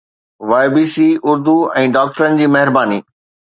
YBC Urdu ۽ ڊاڪٽرن جي مهرباني